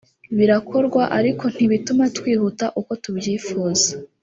birakorwa ariko ntibituma twihuta uko tubyifuza